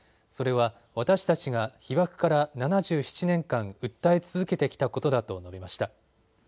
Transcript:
それは私たちが被爆から７７年間訴え続けてきたことだと述べました。